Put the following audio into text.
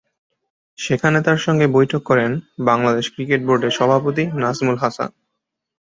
সেখানে তাঁর সঙ্গে বৈঠক করেন বাংলাদেশ ক্রিকেট বোর্ডের সভাপতি নাজমুল হাসান।